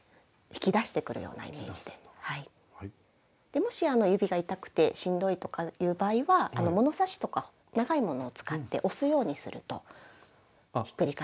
もし指が痛くてしんどいとかいう場合は物差しとか長いものを使って押すようにするとひっくり返しやすいです。